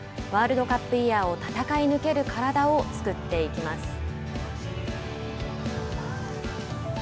ワールドカップイヤーを戦い抜ける体を作っていきます。